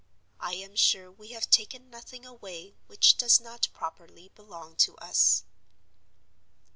I am sure we have taken nothing away which does not properly belong to us.